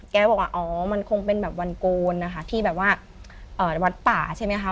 แกบอกว่ามันคงเป็นแบบวันโกนที่แบบวัดป่าใช่ไหมคะ